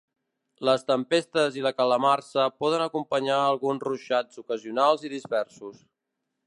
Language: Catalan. Les tempestes i la calamarsa poden acompanyar alguns ruixats ocasionals i dispersos.